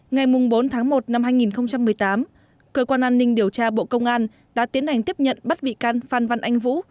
ngày bốn tháng một năm hai nghìn một mươi tám cơ quan an ninh điều tra bộ công an đã tiến hành tiếp nhận bắt bị can phan văn anh vũ